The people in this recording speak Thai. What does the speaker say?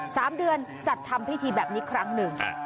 สามเดือนจัดทำพิธีแบบนี้ครั้งหนึ่ง